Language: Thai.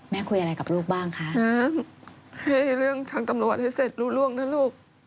คุยอะไรกับลูกบ้างคะให้เรื่องทางตำรวจให้เสร็จรู้ร่วงนะลูก